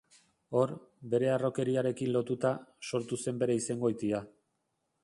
Hor, bere harrokeriarekin lotuta, sortu zen bere izengoitia.